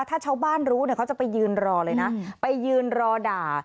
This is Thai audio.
ถ้าชาวบ้านรู้เนี่ยเขาจะไปยืนรอเลยนะไปยืนรอด่า